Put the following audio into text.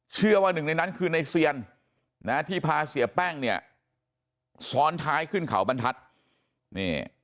เชื่อว่าหนึ่งในนั้นคือในเซียนนะที่พาเสียแป้งเนี่ยซ้อนท้ายขึ้นเขาบรรทัศน์นี่